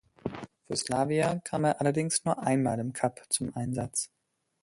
Für Slawia kam er allerdings nur einmal im Cup zum Einsatz.